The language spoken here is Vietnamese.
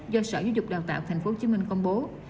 do sở giáo dục đào tạo tp hcm công bố